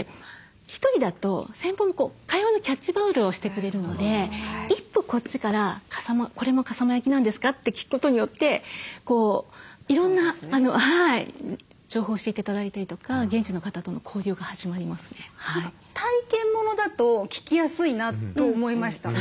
１人だと先方も会話のキャッチボールをしてくれるので一歩こっちから「これも笠間焼なんですか？」って聞くことによっていろんな情報を教えて頂いたりとか何か体験モノだと聞きやすいなと思いました。